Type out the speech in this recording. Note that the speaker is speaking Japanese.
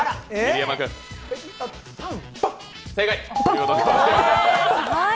正解！